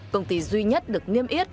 công ty duy nhất được nghiêm yết